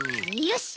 よし。